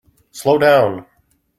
Slow down!